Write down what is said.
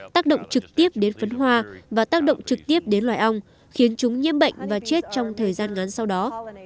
tác động trực tiếp đến phấn hoa và tác động trực tiếp đến loài ong khiến chúng nhiễm bệnh và chết trong thời gian ngắn sau đó